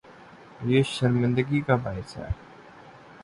یہ شرمندگی کا باعث ہے۔